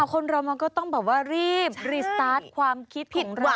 คนเรามันก็ต้องแบบว่ารีบรีสตาร์ทความคิดผิดของเรา